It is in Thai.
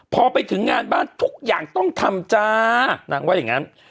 พอไปถึงงานบ้านทุกอย่างต้องทำจ้านางว่าอย่างงั้น